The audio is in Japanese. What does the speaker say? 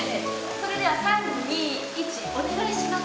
それでは３２１お願いします。